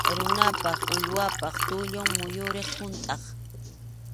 Runapa, uywapa tullun muyuriq huntʼaq.